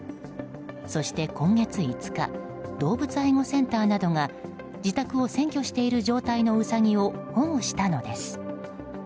そして今月５日動物愛護センターなどが自宅を占拠している状態のウサギを保護したのです。